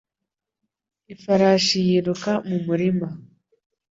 Ifarashi yiruka mu murima.